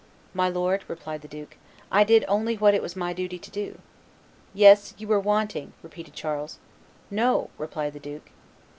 "My lord," replied the duke, "I did only what it was my duty to do." "Yes, you were wanting," repeated Charles. "No," replied the duke.